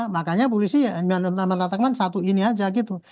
makanya polisi nggak mengatakan satu ini aja gitu